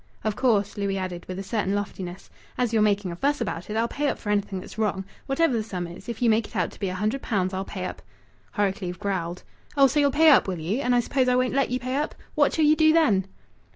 Of course," Louis added, with a certain loftiness, "as you're making a fuss about it I'll pay up for anything that's wrong ... whatever the sum is. If you make it out to be a hundred pounds I'll pay up." Horrocleave growled: "Oh, so ye'll pay up, will ye? And suppose I won't let ye pay up? What shall ye do then?"